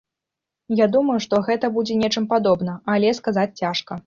Я думаю, што гэта будзе нечым падобна, але сказаць цяжка.